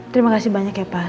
terima kasih banyak ya pak